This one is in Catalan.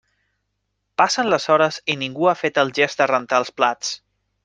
Passen les hores i ningú ha fet el gest de rentar els plats.